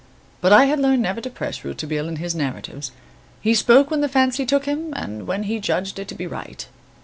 But I had learned never to press Rouletabille in his narratives. He spoke when the fancy took him and when he judged it to be right.